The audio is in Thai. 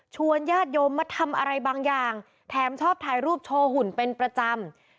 ญาติโยมมาทำอะไรบางอย่างแถมชอบถ่ายรูปโชว์หุ่นเป็นประจำ